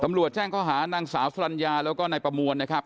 ตำรวจแจ้งข้อหานังสาวสรรยาแล้วก็ในประมวลนะครับ